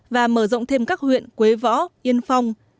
và mở rộng thêm các huyện quế võ yên phong